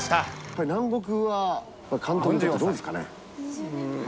これ、南国は監督にとってはどうですかね？